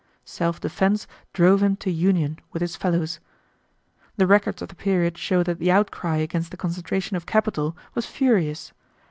Self defense drove him to union with his fellows. "The records of the period show that the outcry against the concentration of capital was furious.